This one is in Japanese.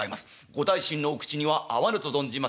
御大身のお口には合わぬと存じますが」。